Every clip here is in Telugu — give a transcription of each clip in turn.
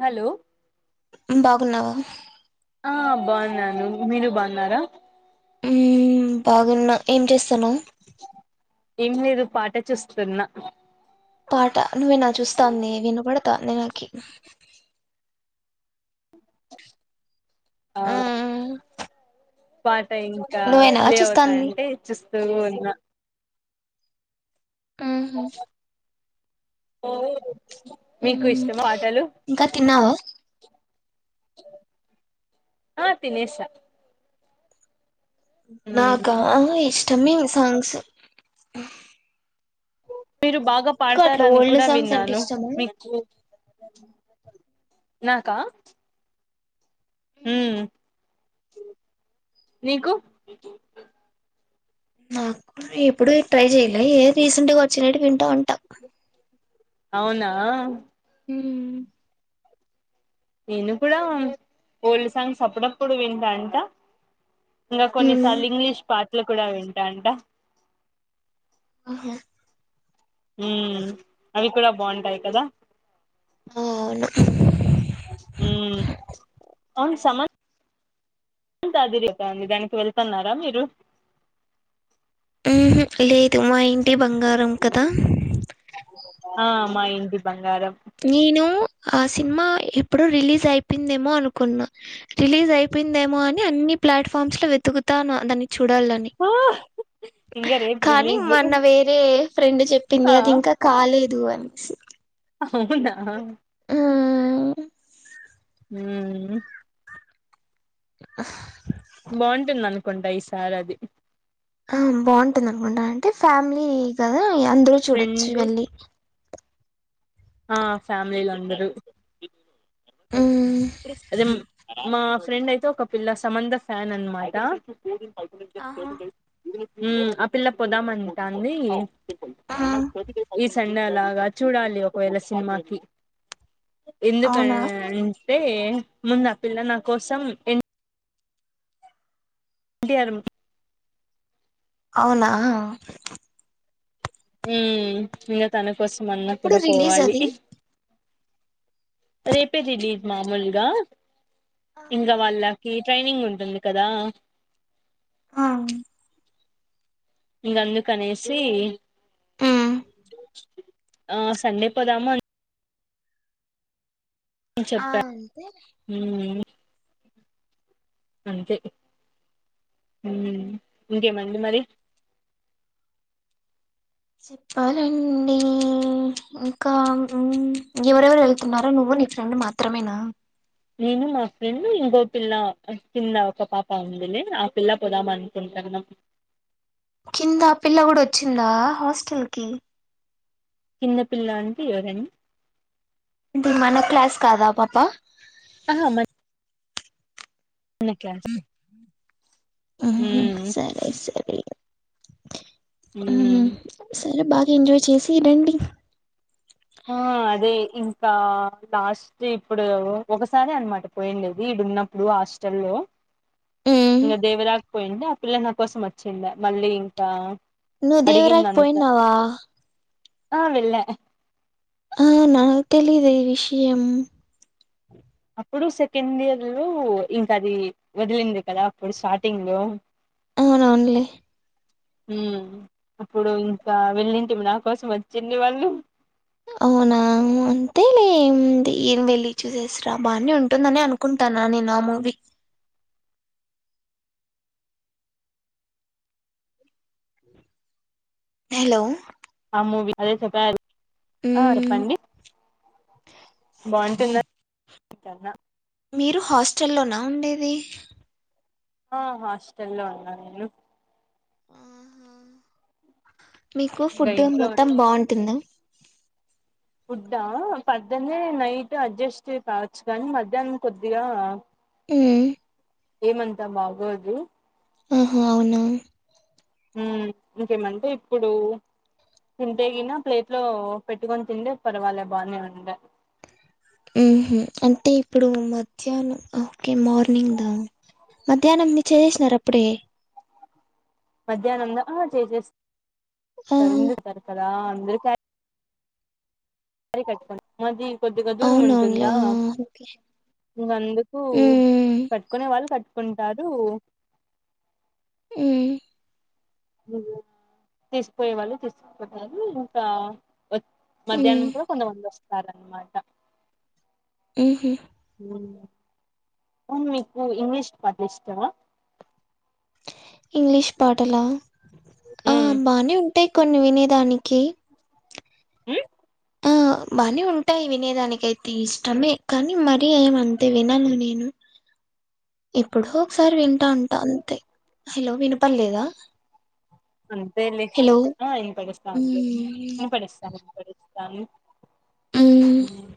హలో బాగున్నావా ఆ బాగున్నాను మీరు బాగున్నారా బాగున్న ఏం చేస్తాను ఏం లేదు పాట చూస్తున్నా పాట నువ్వేనా చూస్తా న వినపడతా న నాకి ఆ మ్ పా అ ఇంకా నువ్వేనా ప్లే చూస్తాంది అవుతాయింటే చూస్తూ ఉన్నా ఉహు మీకు మ్ ఇష్టము పాటలు ఇంకా తిన్నావా ఆ తినేసా మ్మ్ నాకా ఇష్టమే సాంగ్స్ మీరు బాగా నీకు అట్లా పాడతారని ఓల్డ్ కూడా సాంగ్స్ అంటే విన్నాను ఇష్టమా మీకు నాకా ఉ మ్మ్. నీకు నాకు ఇప్పుడు ట్రై చెయ్యలే ఏ రీసెంట్ గా వచ్చినట్ వింటా అంటే అవునా ఉ నేను కూడా ఓల్డ్ సాంగ్స్ అప్పుడప్పుడు వింటా ఉంటా ఇంకా కొన్నిసార్లు ఇంగ్లీష్ పాటలు కూడా వింటా ఉంటా ఆహ ఉ అవి కూడా బాగుంటాయి కదా ఆ అవును ఉ అవును సమన్ ఎంతధర్యత అంది దానికి వెళ్తున్నారా మీరు ఉహో లేదు మా ఇంటి బంగారం కదా ఆ మా ఇంటి బం నేను ఆ సినిమా ఎప్పుడు రిలీజ్ అయిపోయిందేమో అనుకున్నా రిలీజ్ అయిపోయిందేమో అని అన్ని ప్లాట్ఫామ్స్ లో వెతుకుతా దాన్ని చూడాలని ఆ ఇంగ రేపు కానీ రిలీజ్ మొన్న వేరే ఫ్రెండ్ ఆ చెప్పింది అది ఇంకా కాలేదు అని అ అవునా ఉహ్ [inaudible] కంటయిసార్ అది ఆ బాగుంటుంది అనుకుంటాను అంటే ఫ్యామిలీ కదా అందరు చూడొచ్చు ఫ్రెండ్ వెళ్ళి ఆ ఫ్యామిలీల అందరూ అదే మా ఫ్రెండ్ అయితే ఒక పిల్ల సమంత ఫ్యానన్మాట ఆహా మ్మ్ ఆ పిల్ల పోదామంటాంది. ఆ ఇస్ సండే అలాగ చూడాలి ఒకవేళ సినిమాకి అవునా అంటే ముందా పిల్ల నా కోసం ఎన్ ఎన్ టి ఆర్ అవునా ఉమ్మ్ ఇంకా తన కోసం అన్నా ఎప్పుడు కూడా రిలీజ్ పోవాలి. అది రేపే రిలీజ్ మామూల్గా ఇంగ వాళ్ళ కి ట్రైనింగ్ ఉంటుంది కదా అవును. ఇంగందు కనేసి మ్మ్. ఆ సండే పోదాము అన్ ఆ చెప్పా అంతే హ్మ్ అంతే హ్మ్ ఇంకేమండి మరి చెప్పాలండి. ఇంకా మ్ ఎవరెవరు వెల్ తున్నారు నువ్వు నీ ఫ్రెండ్ మాత్రమేనా నేను మా ఫ్రెండ్ ఇంకో పిల్ల కింద ఒక పాప ఉందిలే. ఆ పిల్ల పోదామనుకుంట కదున్నం. కింద పిల్ల కూడా వచ్చిందా హాస్టల్కి కింద పిల్ల అంటే ఎవరని ఏంటి మన క్లాస్ కాద ఆ పాప ఆహా మన్ మ్ హు మ్మ్ సరే సరే. ఉహు మ్మ్. సరే బాగా ఎంజాయ్ చేసి రండి. ఆ అదే ఇంకా లాస్ట్ ఇప్పుడు ఒకసారే అన్మాట పోయిండేది ఇడున్నప్పుడు హాస్టల్లో ఇంగ దేవరాక్ పోయిండే ఆ పిల్ల నా కోసమోచ్చిండే మళ్ళీ ఇంకా నువ్వు దేవరాకి అడిగిందంతా పోయిన్నావా ఆ వెళ్ళా ఆ నాకు తెలిదే ఈ విషయం. అప్పుడు సెకండ్ ఇయర్లో ఇంకది వదిలింది కదా అప్పుడు స్టార్టింగ్లో అవునవునులే. హ్మ్ అప్పుడు ఇంకా వెళ్ళింటిమి నా కోసం వచ్చిండ్రి వాళ్ళు అవునా అంతే ఏముంది ఏం వెళ్లి చూసేసార బానే ఉంటుందననే అనుకుంట టన్న నేనా మూవీ హలో ఆ మూవి అదే చెప్పారు. ఆ ఉమ్ చెప్పండి బాగుంటుందాని కన్నా మీరు హాస్టల్లోనా ఉండేది. ఆ హాస్టల్లో ఉన్నా నేను ఆహ! మీకు ఇంగ ఫుడ్డు ఇంట్లో మొత్తం బాగుంటుందా ఫుడ్డా పద్ధన్నే నైట్ అడ్జస్ట్ కావచ్చు కానీ మధ్యాహ్నం కొద్దిగా మ్మ్ ఏమంతా బాగోదు. ఆహా! అవునా హ్మ్ ఇంకేమంటే ఇప్పుడు. తింటే గిన ప్లేట్ లో పెట్టుకొని తింటే పర్వాలే బానే ఉండ హ్మ్ హ్మ అంటే ఇప్పుడు మధ్యాహ్నం ఓకే మార్నింగ్ ద మధ్యాహ్నం ది చేసేసినార అప్పుడే [inaudible] మధ్యాహ్నందా ఆ చేసేస్తస్తారు ఆహా [inaudible] క్యారీ కట్టుకొని మది కొద్దిగా దూరం అవునవునులే ఉంటుందా ఆ, ఓకే ఇంక అందుకు ఉమ్, కట్టుకునే వాళ్ళు కట్టు కుంటారు హ్మ తీసుపోయేవాళ్ళు తీసుకుపోతారు ఇంకా ఉమ్, మధ్యాహ్నం కూడా కొంతమంది వస్తారన్నమాట హ్మ్ హ్మ హ్మ వును మీకు ఇంగ్లీష్ పాట్లు ఇష్టామా ఇంగ్లీష్ పాటలా ఆ ఉమ్ బానే ఉంటాయి కొన్ని వినేదానికి హ్మ్ ఆ బానే ఉంటాయి వినేదానిక అయితే ఇష్టమే కానీ మరీ ఏమ అంతే వినను నేను అ ఎప్పుడో ఒకసారి వింటా ఉంటా అంతే హలో వినపలేద అంతేలి ఆ ఇనపడిస్తందిలే మ్మ్ ఇనపడిస్తంది వినపడిస్తంది మ్మ్ హ్మ్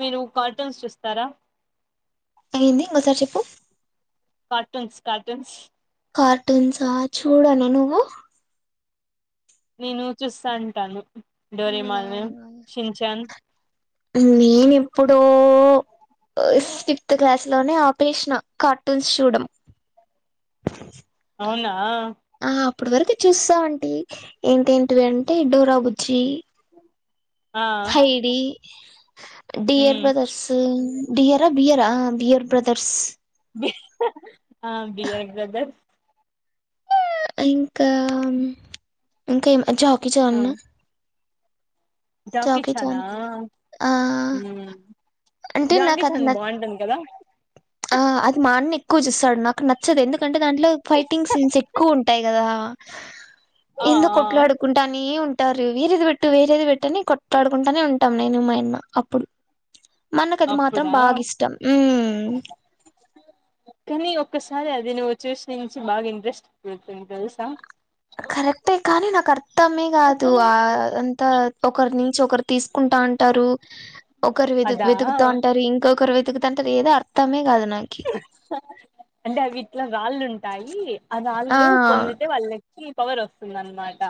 మీరు కార్టూన్స్ చూస్తారా ఏంది ఇంకోసారి చెప్పు కార్టూన్స్ కటూన్స్ కార్టూన్సా చూడను నువ్వు నేను చూస్తా అంటాను అవున నేను ఎప్పుడో వో ఫిఫ్త్ క్లాస్ లోనే ఆపేసిన కార్టూన్స్ చూడడం అ అవునా ఆ అప్పటి వరకు చూస్తాంటి ఏంటేంటివి అంటే డోరాబుజ్జి ఆ హైడి డియర్ ఉమ్ బ్రదర్స్ డియరా బియర్ ఆ బియర్ బ్రదర్స్ ఆ బియర్ బ్రదర్ ఇంకా ఇంకా ఏం జాకీ జాన్ జాకి ఇ చాన్ ఆ హ్మ అంటే నాకు జాకీచాన్ అది బాగుంటంది కదా ఆ అది మాన్నెక్కువ జూస్తాడు నాక్ నచ్చదు ఎందుకంటే దాంట్లో ఫైటింగ్ సీన్స్ ఎక్కువ ఉంటాయి కదా ఆ ఆ ఎందు కొట్లాడుకుంటా నే ఉం పెట్టారు వేరేది పెట్టు వేరేది పెట్టని కొట్లాడుకుంటానే ఉంటాం నేను మాయన్న అప్పుడు మా అన్నకు అది మాత్రం అప్పుడా బాగిష్టం, ఉమ్ కనీ ఒక్కసారి అది నువ్వు చూసి నుంచి బగా ఇంట్రెస్ట్ పుడుతుంది తెలుసా కరెక్ట్ కానీ నాక్ ఆర్ త్తమే గాదు ఆ అంత ఒకరి నుంచి ఒకరు తీసుకుంటా ఉంటారు ఒకరు వెతు అదా వెతుకుత అంటారు ఇంకొకరు వెతుకుతు అంటారు ఏదో అర్థమే కాదు నాకు అంటే అవిట్లా రాళ్ళుంటాయి ఆ రాళ్లు పొందితే వాళ్ళ కి పవర్ వస్తుందనమాట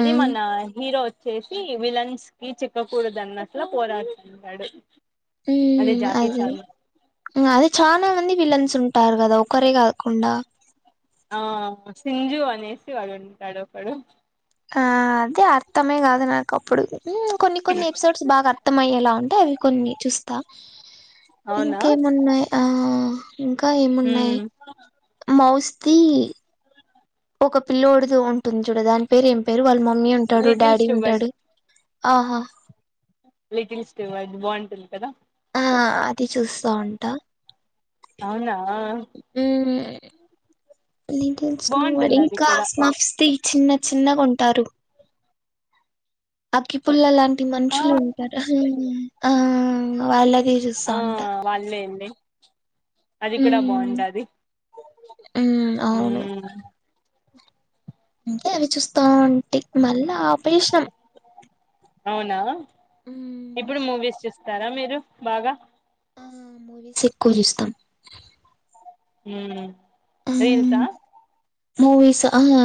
అది మన హీరో చేసీ విలన్స్ కి చిక్క కూడదన్నట్లా పోరాడుతుంటాడు హ్మ జాకీ అదే చాన్ ఇంకా అదే చానా మంది విలన్సుంటారు కదా ఒకరే కాకుండా ఆ సింజు అనేసి వాడు ఉంటాడు ఒకడు ఆ అదే అర్థమే కాదు నాకు అప్పుడు కొన్ని కొన్ని ఎపిసోడ్స్ బాగా అర్థమయ్యేలా ఉంటాయి అవి కొన్ని చూస్త అవునా ఇంకేమున్నయి ఆ ఇంకా ఏమున్నాయి ఉమ్ మౌస్ కి ఒక పిల్లోడిది ఉంటుంది చూడు దాని పేరు ఏం పేరు వాళ్ళ మమ్మీ ఉంటాడు లిటిల్ డాడీ ఉంటాడు ఆహా లిటిలుస్ అది బావుటుంది కదా ఆ అది చూస్తా ఉంటా అవునా అ బాగుంటుంది అది కా కూడా మా [unintelligible] చిన్న చిన్నగా ఉంటారు అగ్గి పుల్లలా ఆ మనుషులు ఉంటారు ఆ వాళ్లు ఆ వాళ్ళే అండి అది కూడా బాగుంటాది మ్మ్ అవును అంటే అవి చూస్తా ఉంటే మళ్ళా ఆపేసినం అవునా ఇప్పుడు మూవీస్ చూస్తారా మీరు బాగా ఆ మూవీస్ ఎక్కువ చూస్తాం మ్మ్ హ్హ్ మూవిస్ ఆ హా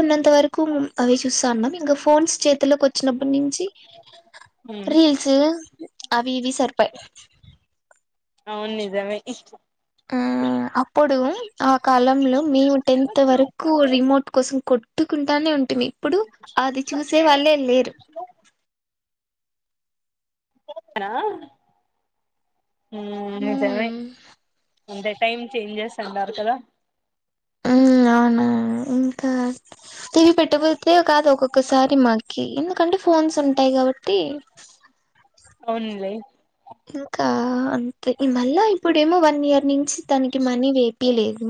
ఉన్నంత వరకు అవి చూస్తా ఉన్నాం ఇంకా ఫోన్స్ చేతిలోకి వచ్చినప్పటి నుంచి మ్మ్ రీల్స్ అవి ఇవి సరిపాయే అవును నిజమే మ్మ్ అప్పుడు ఆ కాలంలో మేము టెన్త్ వరకు రిమోట్ కోసం కొట్టుకుంటానే ఉంటుమీ ఇప్పుడు అది చూసే వాళ్ళే లేరు అ నిజమే ఉమ్ అంత టైమ్ చేంజెస్ అంటారు కదా అవును ఇంకా, టీవి పెట్టకపోతే కాదు ఒక్కొక్కసారి మాకి, ఎందుకంటే ఫోన్స్ ఉంటాయి కాబట్టి అవునండి ఇంకా అంతే ఈ మళ్ళా ఇప్పుడేమో వన్ ఇయర్ నించి తనకి మనీ వేపియ లేదు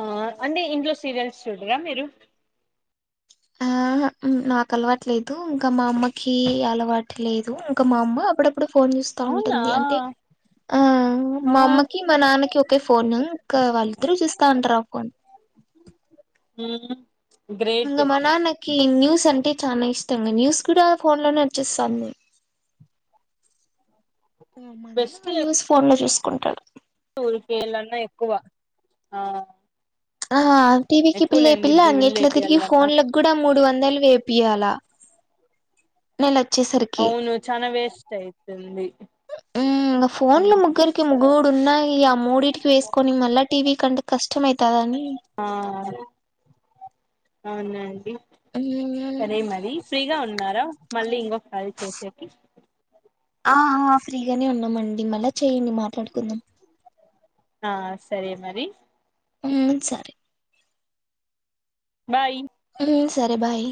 ఆ అంటే ఇంట్లో సీరియల్స్ చుడరా మీరు మ్మ్ హ్ నాకు అలవాటు లేదు ఇంక మా అమ్మకీ అలవాటు లేదు ఇంకా మ అమ్మ అప్పుడప్పుడు ఇప్పుడు ఫోన్ చూస్తా అవునా ఉంటుంది అంటే ఆ ఆ మా అమ్మకి మా నాన్నకి ఒకే ఫోన్ ఇంకా వాళ్ళిద్దరు చూస్తా ఉంటారు ఆ ఫోన్ మ్మ్ గ్రేట్ ఈ న్యూస్ అంటే చాలా ఇష్టం న్యూస్ కూడా ఫోన్ లోనే చూస్తాం టీవీ చూడడం తక్కువ ఆ టీవీకి బిల్ బిల్లు అన్నీట్లా తిరిగి లేపియాలన్నా ఫోన్లకు కూడా మూడు వందలు వేపియాల నెలకు అవును చాల వేస్ట్ అయితది ఉమ్, ఫోన్లు ముగ్గురికి మూడున్నాయి, ఆ మూడిటికి వేసుకని మళ్ళ టీవీ కంటే కష్టమయితది కదా అని ఆ అవునండి మ్మ్ సరే మరి ఫ్రీగా ఉన్నార మళ్ళీ ఇంకో సారి కాల్ చెయ్యడానికి అ ఆ ఫ్రీగనే ఉన్నమండి మళ్ళా చేయండి మాట్లాడుకుందాం ఆ సరే మరి ఊ సరే బాయి మ్ సరే బాయ్